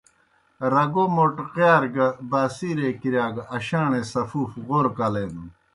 رگو موٹقِیار گہ باسیرے کِرِیا گہ اشاݨے سفوف غورہ کلینَن۔